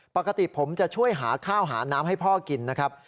ปกติผมจะช่วยหาข้าวหาน้ำให้พ่อกินนะครับ